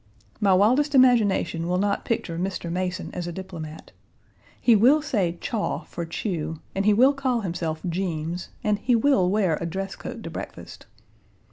My wildest imagination will not picture Mr. Mason1 as a diplomat. He will say chaw for chew, and he will call himself Jeems, and he will wear a dress coat to breakfast.